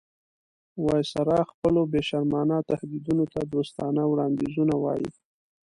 وایسرا خپلو بې شرمانه تهدیدونو ته دوستانه وړاندیزونه وایي.